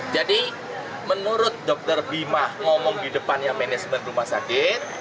jadi menurut dokter bima ngomong di depannya manajemen rumah sakit